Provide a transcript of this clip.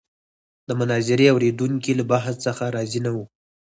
د مناظرې اورېدونکي له بحث څخه راضي نه وو.